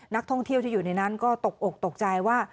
นักท่องเที่ยวที่อยู่ในนั้นก็ตกอกตกใจว่า